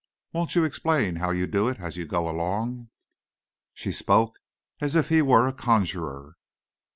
Won't you explain how you do it, as you go along?" She spoke as if he were a conjurer.